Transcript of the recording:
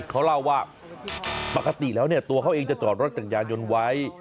เขาเล่าว่าปกติแล้วเนี่ยตัวเขาเองจะจอดรถจักรยานยนต์ไว้